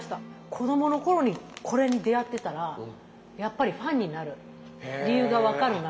子供の頃にこれに出会ってたらやっぱりファンになる理由が分かるなってちょっと思いますよ。